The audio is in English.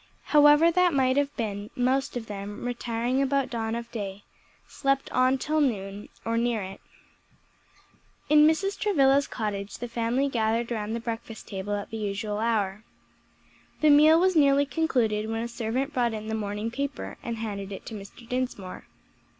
However that may have been, most of them, retiring about dawn of day, slept on till noon, or near it. In Mrs. Travilla's cottage the family gathered round the breakfast table at the usual hour. The meal was nearly concluded when a servant brought in the morning paper and handed it to Mr. Dinsmore.